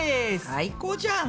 最高じゃん！